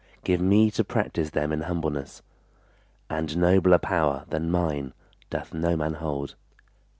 Give me to practise them in humbleness, And nobler power than mine doth no man hold.